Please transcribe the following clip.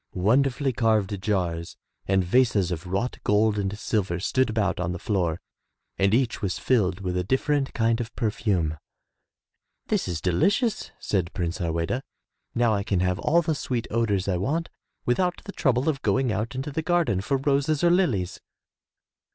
'* Wonderfully carved jars and vases of wrought gold and silver stood about on the floor and each was filled with a different kind of perfume. "This is delicious,'' said Prince Harweda. "Now I can have all the sweet odors I want without the trouble of going out into the garden for roses or lilies."